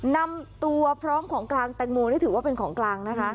นำตัวพร้อมของกลางแตงโมนี่ถือว่าเป็นของกลางนะคะ